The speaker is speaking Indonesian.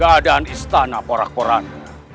keadaan istana porak poraknya